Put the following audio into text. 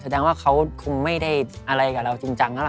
แสดงว่าเขาคงไม่ได้อะไรกับเราจริงนะครับ